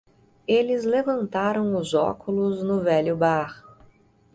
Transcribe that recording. Eles levantaram os óculos no velho bar.